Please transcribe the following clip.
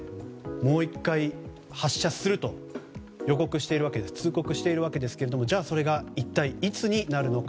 もう１回発射すると通告しているわけですがじゃあ、それが一体いつになるのか。